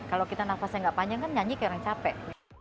kalau kita nafasnya nggak panjang kan nyanyi kayak orang capek